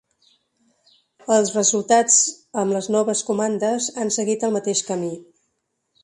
Els resultats amb les noves comandes han seguit el mateix camí.